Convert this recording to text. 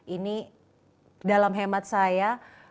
ini dalam hemat saya